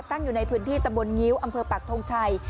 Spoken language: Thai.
อยู่ในพื้นที่ตะบนงิ้วอำเภอปักทงชัย